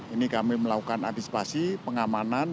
ini kami melakukan antisipasi pengamanan